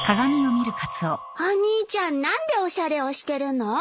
お兄ちゃん何でおしゃれをしてるの？